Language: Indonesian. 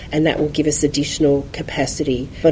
dan itu akan memberi kita kapasitas tambahan